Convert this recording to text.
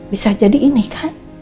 bisa jadi ini kan